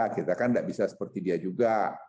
kita kan tidak bisa seperti dia juga